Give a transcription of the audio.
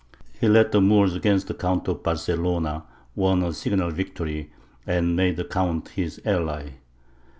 He led the Moors against the Count of Barcelona, won a signal victory, and made the Count his ally.